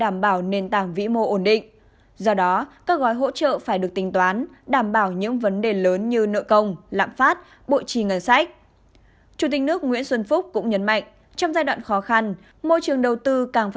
môi trường đầu tư càng phải tăng